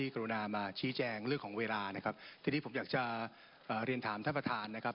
คือที่นี่ผมอยากจะเรียนถามท่านประธานนะครับ